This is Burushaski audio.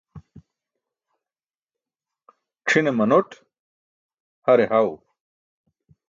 C̣ʰine manoṭ, hare haw.